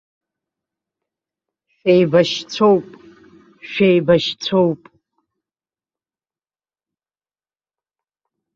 Шәеибашьцәоуп, шәеибашьцәоуп!